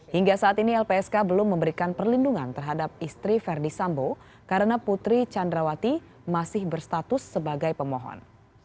hingga saat ini lpsk belum memberikan perlindungan terhadap istri verdi sambo karena putri candrawati masih berstatus sebagai pemohon